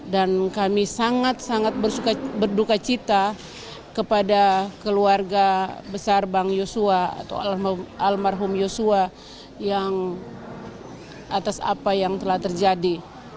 dan kami sangat sangat berdukacita kepada keluarga besar bang joshua atau almarhum joshua atas apa yang telah terjadi